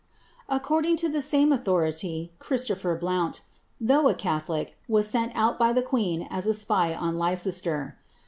According lo the same aulhurily, Christopher Blount, though a calholic, was sent out by the queen as a spy on Lei cester.